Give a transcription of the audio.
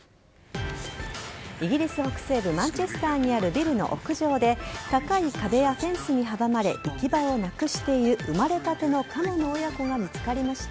イギリス北西部マンチェスターにあるビルの屋上で高い壁やフェンスに阻まれ行き場をなくしている生まれたてのカモの親子が見つかりました。